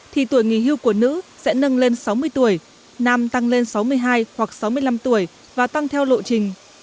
thì tuổi nghỉ hưu của nữ sẽ nâng lên sáu mươi tuổi nam tăng lên sáu mươi hai hoặc sáu mươi năm tuổi và tăng theo lộ trình